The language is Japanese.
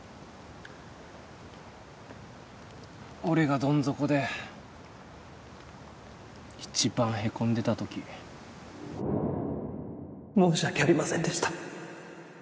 俺がどん底で一番へこんでた時申し訳ありませんでした